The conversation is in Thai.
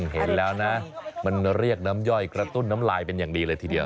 เห็นแล้วนะมันเรียกน้ำย่อยกระตุ้นน้ำลายเป็นอย่างดีเลยทีเดียว